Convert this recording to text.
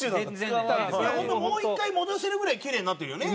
もう１回戻せるぐらいキレイになってるよね？